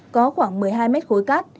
có khoảng một mươi hai m khối cát